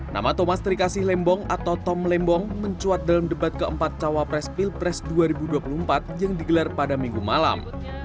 nama thomas terikasi lembong atau tom lembong mencuat dalam debat keempat cawapres pilpres dua ribu dua puluh empat yang digelar pada minggu malam